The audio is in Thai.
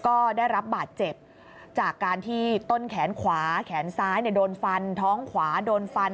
ก็ได้รับบาดเจ็บจากการที่ต้นแขนขวาแขนซ้ายโดนฟันท้องขวาโดนฟัน